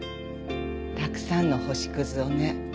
たくさんの星屑をね。